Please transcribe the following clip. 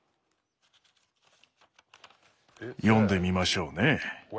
読んでみましょうね。